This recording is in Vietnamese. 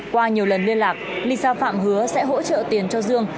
qua nhiều lần liên lạc lisa phạm hứa sẽ hỗ trợ tiền cho dương